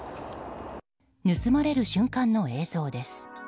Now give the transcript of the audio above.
盗まれる瞬間の映像です。